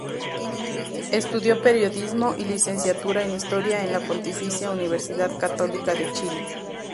Estudió periodismo y licenciatura en historia en la Pontificia Universidad Católica de Chile.